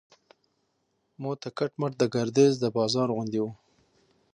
موته کټ مټ د ګردیز د بازار غوندې و.